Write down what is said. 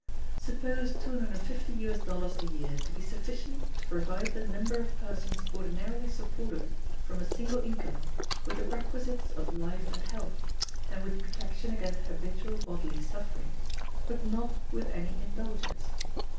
Suppose [$250] a year to be sufficient to provide the number of persons ordinarily supported from a single income with the requisites of life and health, and with protection against habitual bodily suffering, but not with any indulgence.